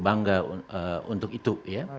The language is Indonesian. bangga untuk itu